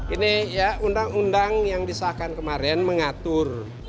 ini ya undang undang yang disahkan kemarin mengatur